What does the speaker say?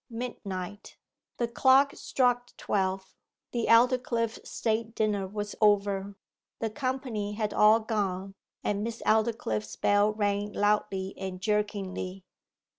MIDNIGHT The clock struck twelve. The Aldclyffe state dinner was over. The company had all gone, and Miss Aldclyffe's bell rang loudly and jerkingly.